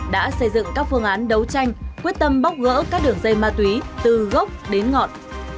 đã xây dựng các phương án đấu tranh quyết tâm bóc gỡ các đường dây ma túy từ gốc đến ngọn